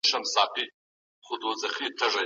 ماهیت درک کړی دی او په دغسي بېاساسه خبرو نه غولول کیږی.